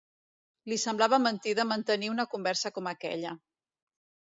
Li semblava mentida mantenir una conversa com aquella.